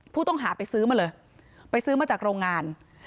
ผู้ต้องหาไปซื้อมาเลยไปซื้อมาจากโรงงาน